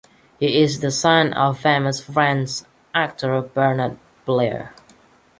He is the son of famous French actor Bernard Blier.